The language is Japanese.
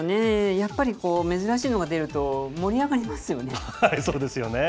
やっぱり珍しいのが出ると、盛りそうですよね。